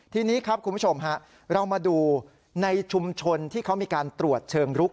ทีนี้ครับคุณผู้ชมฮะเรามาดูในชุมชนที่เขามีการตรวจเชิงรุก